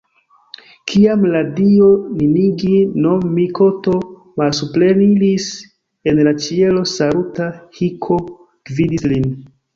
Kiam la dio Ninigi-no-mikoto malsupreniris el la ĉielo, Saruta-hiko gvidis lin.